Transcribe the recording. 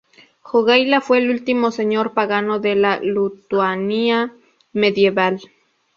Jogaila fue el último señor pagano de la Lituania medieval.